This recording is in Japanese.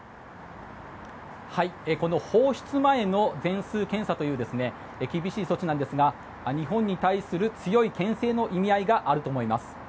この放出前の全数検査という厳しい措置ですが、日本に対する強い牽制の意味合いがあると思います。